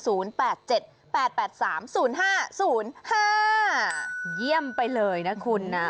ศูนย์แปดเจ็ดแปดแปดสามศูนย์ห้าศูนย์ห้าเยี่ยมไปเลยนะคุณน่ะ